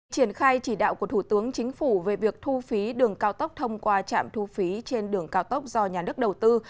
triển khai chỉ đạo của thủ tướng chính phủ về việc thu phí đường cao tốc thông qua trạm thu phí trên đường cao tốc do nhà nước đầu tư